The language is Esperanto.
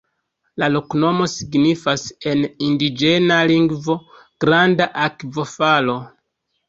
La loknomo signifas en indiĝena lingvo: "granda akvofalo".